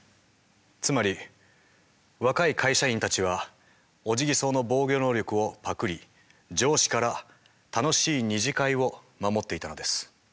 つまり若い会社員たちはオジギソウの防御能力をパクリ上司から楽しい二次会を守っていたのです。